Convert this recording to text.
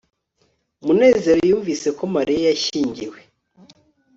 munezero yumvise ko mariya yashyingiwe